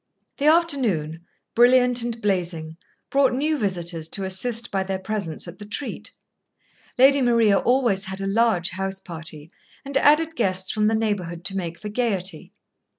The afternoon, brilliant and blazing, brought new visitors to assist by their presence at the treat. Lady Maria always had a large house party, and added guests from the neighbourhood to make for gaiety.